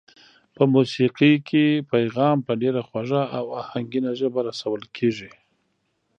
په موسېقۍ کې پیغام په ډېره خوږه او آهنګینه ژبه رسول کېږي.